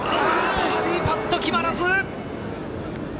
バーディーパット、決まらず！